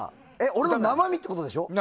俺の生身ってことでしょ？